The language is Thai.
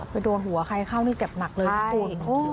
ไปโดนหัวใครเข้ามีเจ็บหนักเลยทุกคน